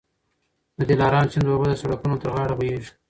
د دلارام سیند اوبه د سړکونو تر غاړه بهېږي.